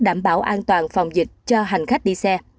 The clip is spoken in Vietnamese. đảm bảo an toàn phòng dịch cho hành khách đi xe